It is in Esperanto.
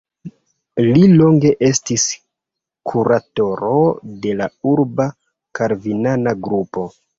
Li longe estis kuratoro de la urba kalvinana grupo.